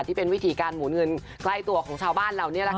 ที่เป็นวิธีการหมุนเงินใกล้ตัวของชาวบ้านเรานี่แหละค่ะ